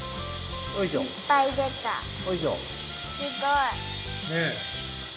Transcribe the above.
すごい！ねえ。